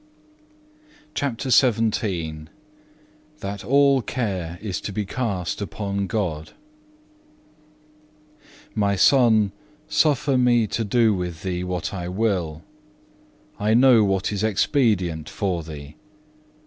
9. CHAPTER XVII That all care is to be cast upon God "My Son, suffer me to do with thee what I will; I know what is expedient for thee.